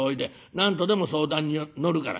何度でも相談に乗るから。